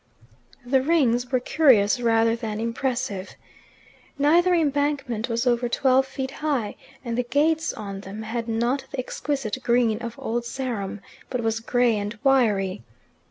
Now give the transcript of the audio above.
The Rings were curious rather than impressive. Neither embankment was over twelve feet high, and the grass on them had not the exquisite green of Old Sarum, but was grey and wiry.